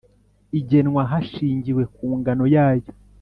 igenwa hashingiwe ku ngano yayo